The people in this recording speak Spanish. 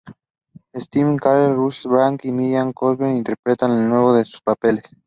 Steve Carell, Russell Brand y Miranda Cosgrove interpretan de nuevo sus papeles.